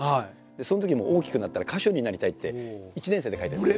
そのときにもう「大きくなったら歌手になりたい」って１年生で書いたんです。